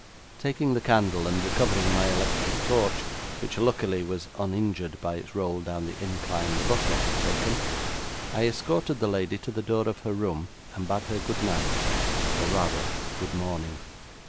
Taking the candle, and recovering my electric torch, which luckily was uninjured by its roll down the incline the butler had taken, I escorted the lady to the door of her room, and bade her good night, or rather, good morning.